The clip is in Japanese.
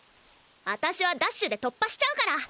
私はダッシュで突破しちゃうから！